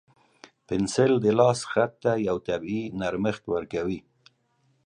پنسل د لاس خط ته یو طبیعي نرمښت ورکوي.